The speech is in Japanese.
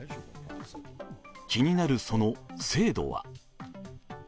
気になるその精度は？